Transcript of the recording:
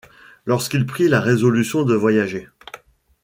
lorsqu’il prit la résolution de voyager.